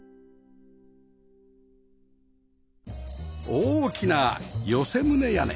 大きな寄棟屋根